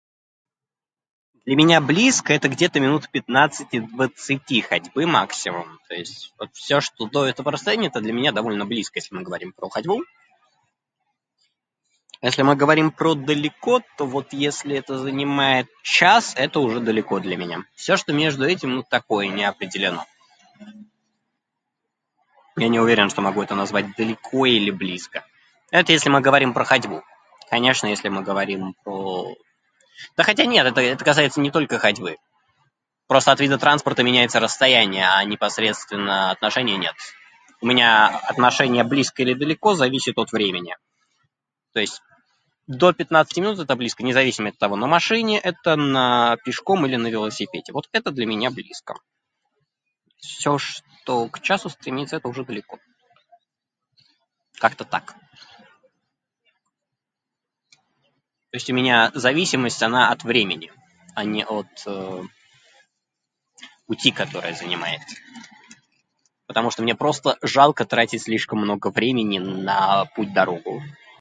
Для меня близко это где-то минут в пятнадцати-двадцати ходьбы максимум. То есть вот всё что до этого расстояния - это для меня довольно близко, если мы говорим про ходьбу. Если мы говорим про далеко, то вот если это занимает час - это уже далеко для меня. Всё что между этим, ну, такое, не определено. Я не уверен, что могу это назвать далеко или близко. Это если мы говорим про ходьбу. Конечно, если мы говорим про... Да хотя нет, это касается не только ходьбы. Просто от вида транспорта меняется расстояние, а непосредственно отношение нет. У меня отношение близко или далеко зависит от времени. То есть до пятнадцати минут это близко. Независимо от того: на машине это, на-а пешком или на велосипеде. Вот это для меня близко. Всё, что к часу стремится, это уже далеко. Как-то так. То есть у меня зависимость - она от времени, а не от пути, которое занимает. Потому что мне просто жалко тратить слишком много времени на путь-дорогу.